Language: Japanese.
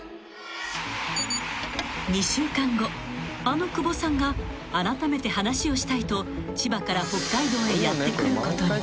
［あの久保さんがあらためて話をしたいと千葉から北海道へやって来ることに］